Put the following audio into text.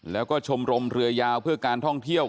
แล้วก็ชมรมเรือยาวเพื่อการท่องเที่ยว